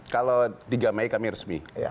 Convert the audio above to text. kalau tiga mei kami resmi